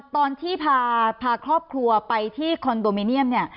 ตอนที่พาครอบครัวไปที่คอนโดมิเนียมเนี่ย